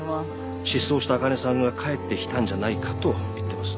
失踪したあかねさんが帰ってきたんじゃないかと言ってます。